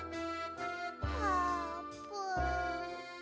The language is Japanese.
あーぷん。